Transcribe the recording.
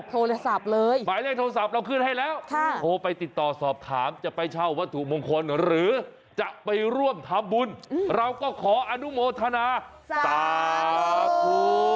โทรศัพท์เลยหมายเลขโทรศัพท์เราขึ้นให้แล้วโทรไปติดต่อสอบถามจะไปเช่าวัตถุมงคลหรือจะไปร่วมทำบุญเราก็ขออนุโมทนาสาธุ